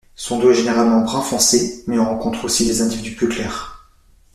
Son dos est généralement brun foncé mais on rencontre aussi des individus plus claires.